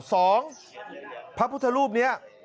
พระพุทธรูปนี้